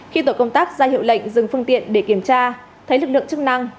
khi tổ công tác ra hiệu lệnh dừng phương tiện để kiểm tra thấy lực lượng chức năng